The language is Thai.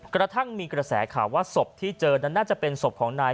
กระทั่งมีกระแสข่าวว่าศพที่เจอนั้นน่าจะเป็นศพของนาย